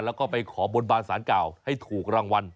แล้วก็ไปขอบนบานสารเก่าให้ถูกรางวัล